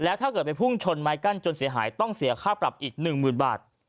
ถ้าเกิดไปพุ่งชนไม้กั้นจนเสียหายต้องเสียค่าปรับอีก๑๐๐๐บาท